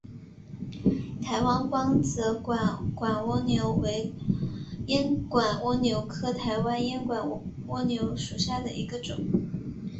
台湾光泽烟管蜗牛为烟管蜗牛科台湾烟管蜗牛属下的一个种。